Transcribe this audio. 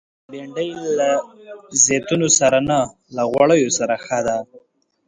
بېنډۍ له زیتونو سره نه، له غوړیو سره ښه ده